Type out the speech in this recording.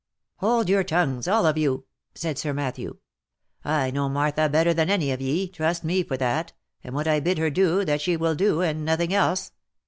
" Hold your tongues, all of you," said Sir Matthew, " I know Martha better than any of ye, trust me for that, and what I bid her do, that she will do, and nothing else.